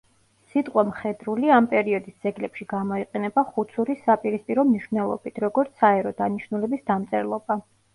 სიტყვა „მხედრული“ ამ პერიოდის ძეგლებში გამოიყენება „ხუცურის“ საპირისპირო მნიშვნელობით, როგორც საერო დანიშნულების დამწერლობა.